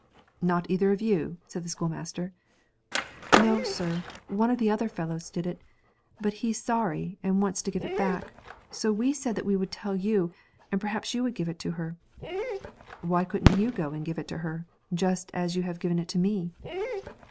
'Not either of you?' said the schoolmaster. 'No, sir; one of the other fellows did it. But he's sorry, and wants to give it back; so we said that we would tell you, and perhaps you would give it to her.' 'Why couldn't you go and give it to her, just as you have given it to me?'